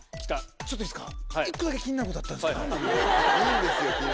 ちょっといいですか。